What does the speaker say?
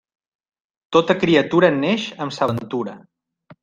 Tota criatura neix amb sa ventura.